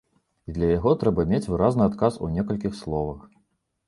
І для яго трэба мець выразны адказ у некалькіх словах.